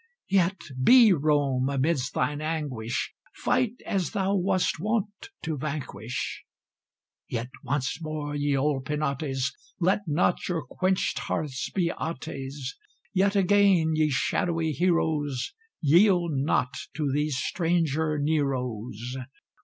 Yet be Rome amidst thine anguish, Fight as thou wast wont to vanquish! Yet once more, ye old Penates, Let not your quenched hearths be Atè's! Yet again, ye shadowy heroes, Yield not to these stranger Neros!